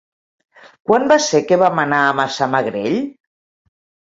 Quan va ser que vam anar a Massamagrell?